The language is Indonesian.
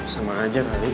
sama aja tadi